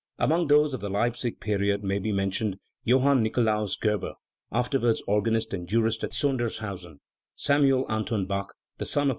Among those of the Leipzig period may be men tioned: Johann Nicolaus Gerber, afterwards organist and jurist at Sojidershausen; Samuel Anton Bach, the son of * Forkel, pp.